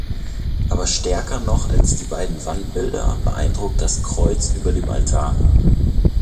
Aber stärker noch als die beiden Wandbilder beeindruckt das Kreuz über dem Altar.